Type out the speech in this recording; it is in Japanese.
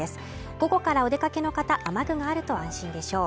午後からお出かけの方、雨具があると安心でしょう。